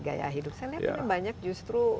gaya hidup saya lihat ini banyak justru